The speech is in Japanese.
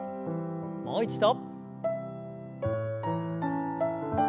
もう一度。